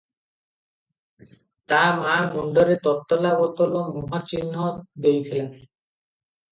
ତା’ ମା’ ମୁଣ୍ଡରେ ତତଲା ବୋତଲ ମୁହଁ ଚିହ୍ନ ଦେଇଥିଲା ।